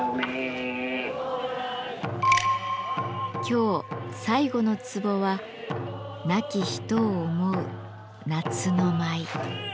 今日最後の壺は「亡き人を思う、夏の舞」。